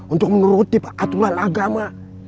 untuk menuruti aturan agama